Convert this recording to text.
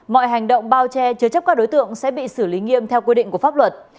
mọi hành động bao che chứa chấp các đối tượng sẽ bị xử lý nghiêm theo quy định của pháp luật